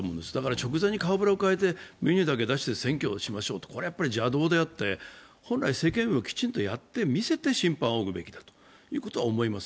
直前に顔ぶれを変えてメニューだけ出して選挙をしましょう、これは邪道であって、本来政権運営をきちんとやって見せて審判を仰ぐべきだということは思います。